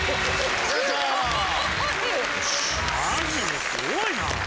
マジですごいな！